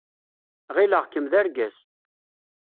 Ɣileɣ-kem d argaz.